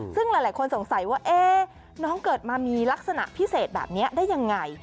ซึ่งหลายคนสงสัยว่าน้องเกิดมามีลักษณะพิเศษแบบนี้ได้ยังไง